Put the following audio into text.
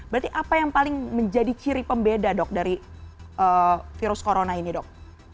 berarti apa yang paling menjadi ciri pembeda dok dari virus corona ini dok